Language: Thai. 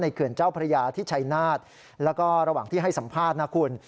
เขื่อนเจ้าพระยาที่ชัยนาฏแล้วก็ระหว่างที่ให้สัมภาษณ์นะคุณ